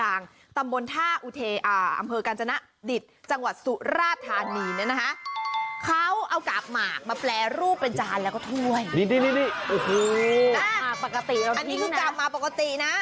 อันนี้คือกลับมาปกตินะ